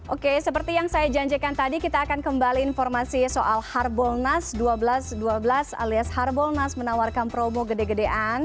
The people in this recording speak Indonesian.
oke seperti yang saya janjikan tadi kita akan kembali informasi soal harbolnas seribu dua ratus dua belas alias harbolnas menawarkan promo gede gedean